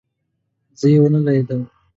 زه يې ونه لیدم.